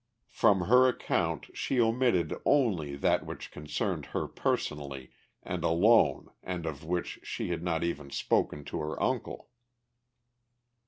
From her account she omitted only that which concerned her personally and alone and of which she had not even spoken to her uncle.